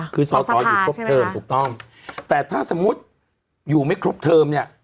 คือสอสอกอยู่ครบเทิมครับสภาใช่ไหมครับถูกต้องแต่ถ้าสมมุติอยู่ไม่ครบเทิมเนี่ย